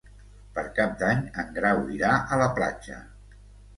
Per Cap d'Any en Grau irà a la platja.